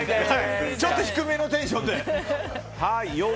ちょっと低めのテンションで。